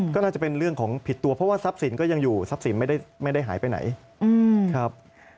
ก็น่าจะเป็นเรื่องของผิดตัวเพราะว่าทรัพย์สินก็ยังอยู่ทรัพย์สินไม่ได้หายไปไหนครับ